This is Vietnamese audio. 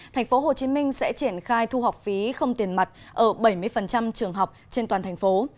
tp hcm sẽ triển khai thu học phí không tiền mặt ở bảy mươi trường học trên toàn thành phố